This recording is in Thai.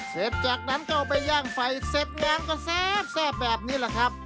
เสร็จจากนั้นก็เอาไปย่างไฟเสร็จยางก็แซ่บแบบนี้แหละครับ